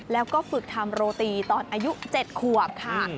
แล้วก็ฝึกทำโรตีตอนอายุ๗ขวบค่ะ